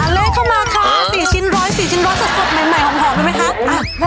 เละเข้ามาค่ะ๔ชิ้นร้อย๔ชิ้นร้อยสดใหม่หอมเลยไหมคะ